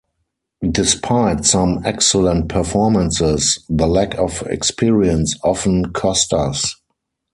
Despite some excellent performances the lack of experience often cost us.